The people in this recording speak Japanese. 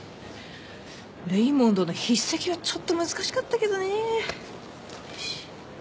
レイモンドの筆跡はちょっと難しかったけどね。